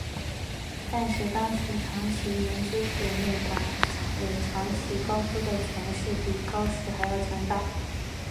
但是当时长崎圆喜之子内管领长崎高资的权势比高时还要强大。